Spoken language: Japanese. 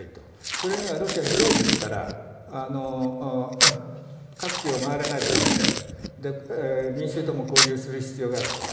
それには、ロシアは広いですから各地を回れないと駄目で民衆とも交流する必要があると。